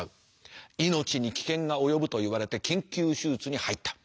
命に危険が及ぶと言われて緊急手術に入った。